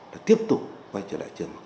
và tiếp tục quay trở lại trường học tập